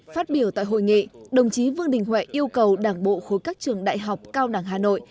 phát biểu tại hội nghị đồng chí vương đình huệ yêu cầu đảng bộ khối các trường đại học cao đẳng hà nội